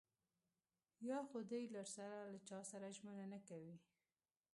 يا خو دې له سره له چاسره ژمنه نه کوي.